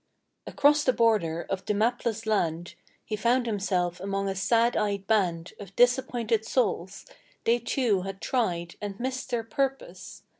Across the border of the mapless land He found himself among a sad eyed band Of disappointed souls; they, too, had tried And missed their purpose.